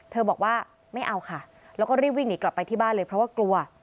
บอกว่าไม่เอาค่ะแล้วก็รีบวิ่งหนีกลับไปที่บ้านเลยเพราะว่ากลัว